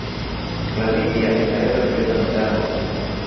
klamidia inaweza kuleta madhara makubwa